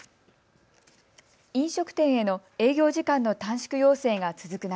飲食店への営業時間の短縮要請が続く中、